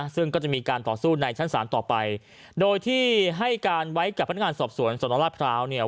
ซึ่งก็จะมีการต่อสู้ในชั้นศาลต่อไปโดยที่ให้การไว้กับพนักงานสอบสวนสนราชพร้าวเนี่ย